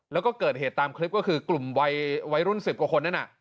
แล้วก็เกิดเหตุตามคลิปก็คือกลุ่มวัยรุ่น๑๐กว่าคนนั้นน่ะ